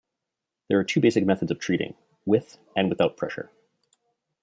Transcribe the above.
There are two basic methods of treating: with and without pressure.